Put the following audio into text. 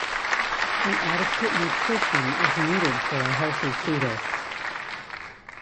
An adequate nutrition is needed for a healthy fetus.